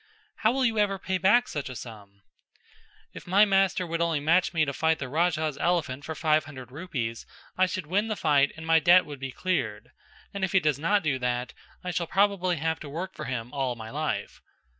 "How will you ever pay back such a sum?" "If my master would only match me to fight the Raja's elephant for five hundred rupees I should win the fight and my debt would be cleared; and if he does not do that I shall probably have to work for him all my life.